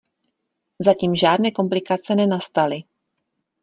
Zatím žádné komplikace nenastaly.